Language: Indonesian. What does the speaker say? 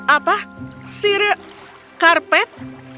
apa sir karpet